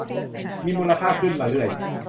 มีมูลค่าขึ้นมาเรื่อย